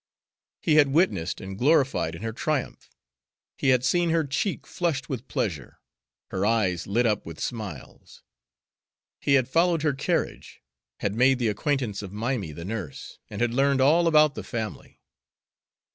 He had witnessed and gloried in her triumph. He had seen her cheek flushed with pleasure, her eyes lit up with smiles. He had followed her carriage, had made the acquaintance of Mimy the nurse, and had learned all about the family.